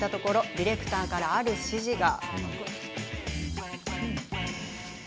ディレクターからある指示が。